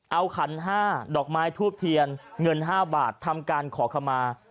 เอาขัน๕ดอกไม้ทูบเทียนเงิน๕บาททำการขอขมา